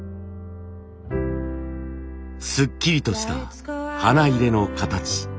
すっきりとした花入れの形。